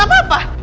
ada apa ini